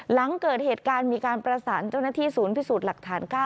หลังเกิดเหตุการณ์มีการประสานเจ้าหน้าที่ศูนย์พิสูจน์หลักฐาน๙